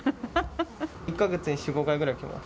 １か月に４、５回ぐらい来ます。